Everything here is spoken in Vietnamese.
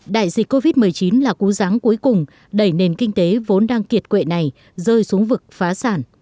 đại dịch covid một mươi chín là cú ráng cuối cùng đẩy nền kinh tế vốn đang kiệt quệ này rơi xuống vực phá sản